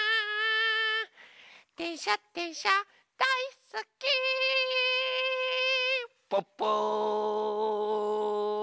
「でんしゃでんしゃだいすっき」プップー！